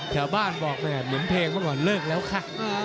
แถวบ้านบอกเหมือนเพลงว่าเลิกแล้วค่ะ